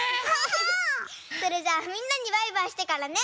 それじゃあみんなにバイバイしてからね。